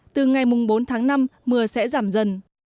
từ ngày bốn tháng năm mưa sẽ giảm dần